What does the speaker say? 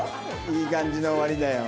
いい感じの終わりだよ